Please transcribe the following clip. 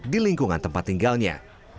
di lingkungan tempat tinggalnya